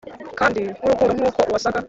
kandi nkurukundo nkuko wasaga